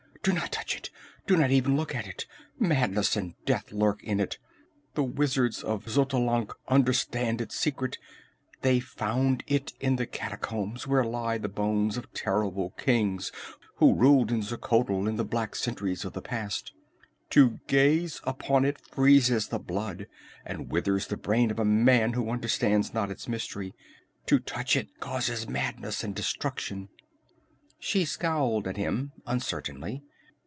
"Do not touch it! Do not even look at it! Madness and death lurk in it. The wizards of Xotalanc understand its secret they found it in the catacombs, where lie the bones of terrible kings who ruled in Xuchotl in the black centuries of the past. To gaze upon it freezes the blood and withers the brain of a man who understands not its mystery. To touch it causes madness and destruction." She scowled at him uncertainly.